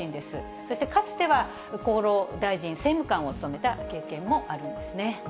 そしてかつては厚労大臣政務官を務めた経験もあるんですね。